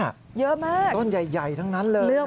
เยอะมากต้นใหญ่ทั้งนั้นเลย